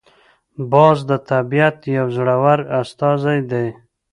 باز د طبیعت یو زړور استازی دی